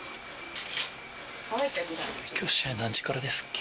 今日試合何時からですっけ？